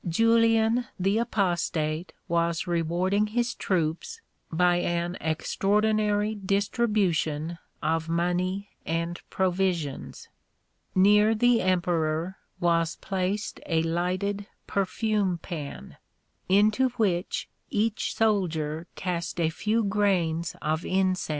Julian the Apostate was rewarding his troops by an extraordinary distribution of money and provisions. Near the emperor was placed a lighted perfume pan, into which each soldier cast a few grains of incense.